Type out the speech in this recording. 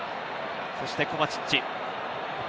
そしてコバチッチ。